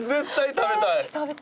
食べたい。